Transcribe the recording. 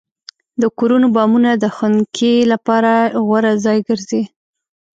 د کورونو بامونه د خنکۍ لپاره غوره ځای ګرځي.